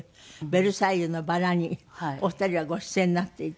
『ベルサイユのばら』にお二人はご出演になっていて。